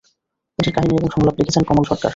এটির কাহিনী ও সংলাপ লিখেছেন কমল সরকার।